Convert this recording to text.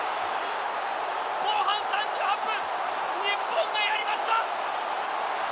後半３８分日本がやりました。